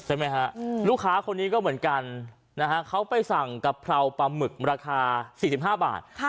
ใช่ไหมฮะลูกค้าคนนี้ก็เหมือนกันนะฮะเขาไปสั่งกะเพราปลาหมึกราคา๔๕บาท